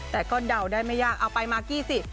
แต่ก็เดาได้ไม่ยากเอาไปมากกี้สิ